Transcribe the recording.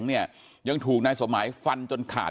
พันให้หมดตั้ง๓คนเลยพันให้หมดตั้ง๓คนเลย